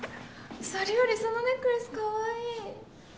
それよりそのネックレスかわいい！